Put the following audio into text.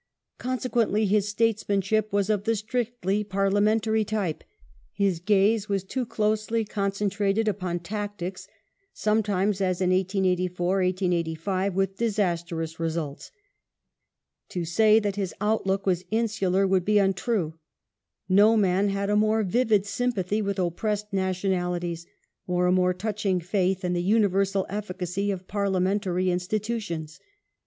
Consequently his statesmanship was of the strictly parliamentary type ; his gaze was too closely concentrated upon tactics, sometimes, as in 1884 1885, with disastrous results. To say that his outlook was insular would be untrue ; no man had a more vivid sympathy with oppressed nationalities, or a more touching faith in the universal efficacy of parliamentary institutions.